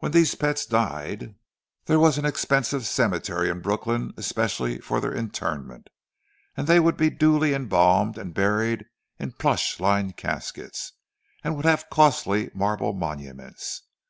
When these pets died, there was an expensive cemetery in Brooklyn especially for their interment; and they would be duly embalmed and buried in plush lined casket, and would have costly marble monuments.